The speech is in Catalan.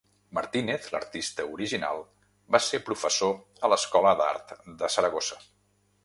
Martínez, l'artista original, va ser professor a l'Escola d'Art de Saragossa.